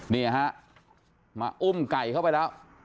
นี่ฮะมาอุ้มไก่เข้าไปแล้ว